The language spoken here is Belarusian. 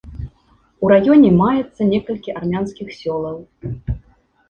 У раёне маецца некалькі армянскіх сёлаў.